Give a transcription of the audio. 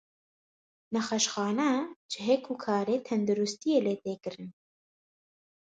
Nexweşxane, cihê ku karê tenduristiyê lê tê kirin.